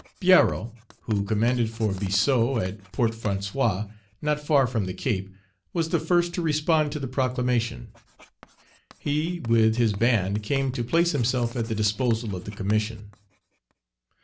Pierrot, who commanded for Biassou, at Port François, not far from the Cape, was the first to respond to the proclamation; he, with his band, came to place himself at the disposal of the Commission.